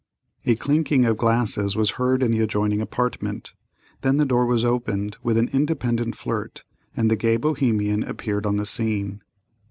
A clinking of glasses was heard in the adjoining apartment, then the door was opened with an independent flirt, and the gay Bohemian appeared on the scene.